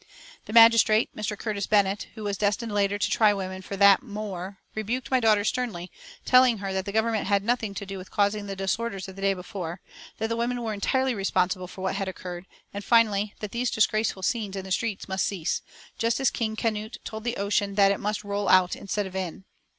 The magistrate, Mr. Curtis Bennett, who was destined later to try women for that "more," rebuked my daughter sternly, telling her that the Government had nothing to do with causing the disorders of the day before, that the women were entirely responsible for what had occurred, and finally, that these disgraceful scenes in the street must cease just as King Canute told the ocean that it must roll out instead of in.